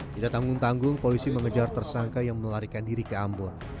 tidak tanggung tanggung polisi mengejar tersangka yang melanggar